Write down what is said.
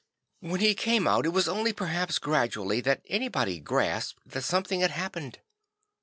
When he came out, it was only perhaps gradually that anybody grasped that something had happened.